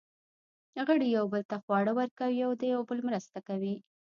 غړي یوه بل ته خواړه ورکوي او د یوه بل مرسته کوي.